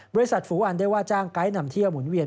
บริษัทฟูอันไดว่าจ้างไกท์นำเที่ยวหมุนเวียน